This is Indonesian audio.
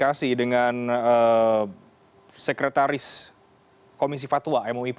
daya dias group interum